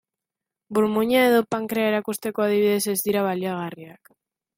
Burmuina edo pankrea erakusteko, adibidez, ez dira baliagarriak.